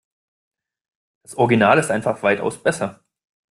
Das Original ist einfach weitaus besser.